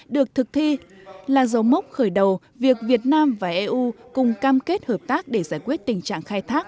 được thực thi là dấu mốc khởi đầu việc việt nam và eu cùng cam kết hợp tác để giải quyết tình trạng khai thác